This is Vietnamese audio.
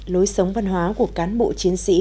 lối sống văn hóa của cán bộ chiến sĩ